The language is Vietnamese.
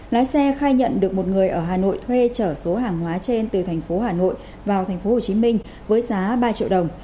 lái xe khai nhận được một người ở hà nội thuê trở số hàng hóa trên từ thành phố hà nội vào thành phố hồ chí minh với giá ba triệu đồng